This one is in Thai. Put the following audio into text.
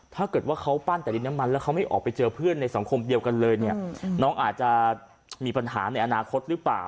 ถ้าเกิดว่าเขาปั้นแต่ดินน้ำมันแล้วเขาไม่ออกไปเจอเพื่อนในสังคมเดียวกันเลยเนี่ยน้องอาจจะมีปัญหาในอนาคตหรือเปล่า